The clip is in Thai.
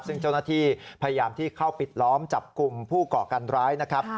ซึ่งเจ้าหน้าที่พยายามที่เข้าปิดล้อมจับกลุ่มผู้ก่อการร้ายนะครับ